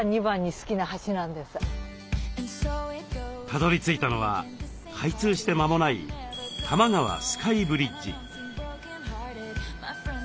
たどりついたのは開通して間もない多摩川スカイブリッジ。